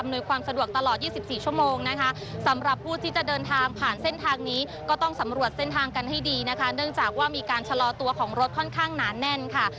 ในการชะลอตัวของรถค่อนข้างหนาแน่นค่ะ